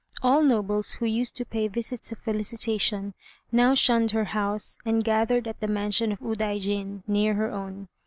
All nobles who used to pay visits of felicitation, now shunned her house and gathered at the mansion of Udaijin, near her own.